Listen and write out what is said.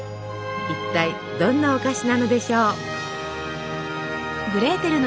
一体どんなお菓子なのでしょう。